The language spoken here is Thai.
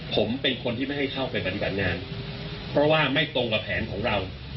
ผมเป็นคนที่ไม่ให้เข้าไปปฏิบัติงานเพราะว่าไม่ตรงกับแผนของเรา